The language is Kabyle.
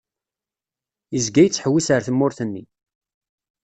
Yezga yettḥewwis ar tmurt-nni.